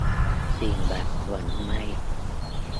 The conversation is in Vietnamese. Tiền bạc vận may